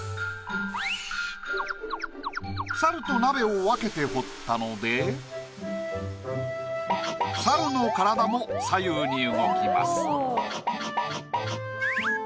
サルと鍋を分けて彫ったのでサルの体も左右に動きます。